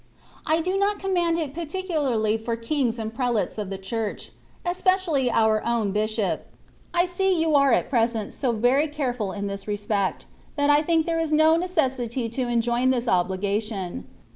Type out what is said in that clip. I do not command it particu larly for kings and prelates of the Church — especially our own bishop : I see you are at present so very careful in this respect, that I think there is no necessity to enjoin this obliga tion.